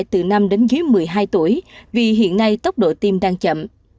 từ năm đến dưới một mươi hai tuổi vì hiện nay tốc độ tiêm đang chậm